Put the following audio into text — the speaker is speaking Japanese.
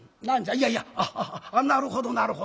「いやいやなるほどなるほど。